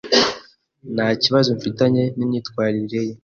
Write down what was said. Nta kibazo mfitanye n'imyitwarire ye.